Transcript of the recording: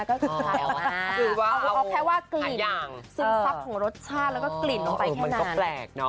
เอาแค่ว่ากลิ่นซึมทรัพย์ของรสชาติแล้วก็กลิ่นลงไปแค่นั้น